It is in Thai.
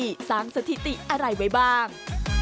สร้างสถิติอะไรไว้บ้าง